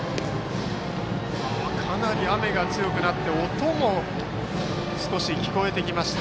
かなり雨が強くなって音も少し聞こえてきました。